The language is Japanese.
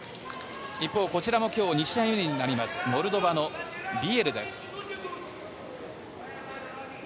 一方、こちらも今日２試合目にあるモルドバのビエルです。